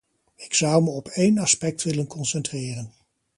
Ik zou me op één aspect willen concentreren.